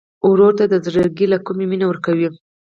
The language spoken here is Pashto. ورور ته د زړګي له کومي مینه ورکوې.